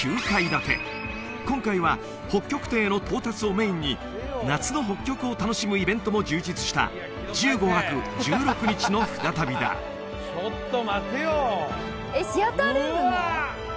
建て今回は北極点への到達をメインに夏の北極を楽しむイベントも充実した１５泊１６日の船旅だうわ！